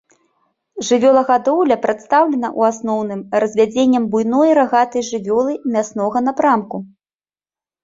Жывёлагадоўля прадстаўлена ў асноўным развядзеннем буйной рагатай жывёлы мяснога напрамку.